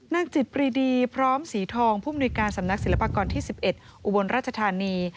นางจิตปรีดีพร้อมสีทองผู้มนุยการสำนักศิลปากรที่๑๑อุบลราชธานี